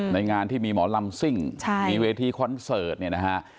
งานที่มีหมอลำซิ่งมีเวทีคอนเสิร์ตเนี่ยนะฮะ